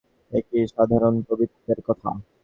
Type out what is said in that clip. এ কি সাধারণ কবিত্বের কথা?